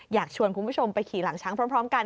อยากชวนคุณผู้ชมไปขี่หลังช้างพร้อมกัน